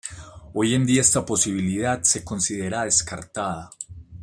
Hoy en día esta posibilidad se considera descartada.